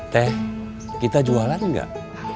teh kita jualan nggak